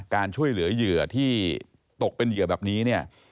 การช่วยเหลือเหยื่อที่ตกเป็นเหยื่อแบบนี้เนี่ย